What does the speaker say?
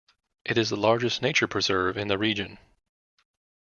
It is the largest nature preserve in the region.